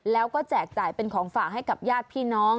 แล้วก็แจกจ่ายเป็นของฝากให้กับญาติพี่น้อง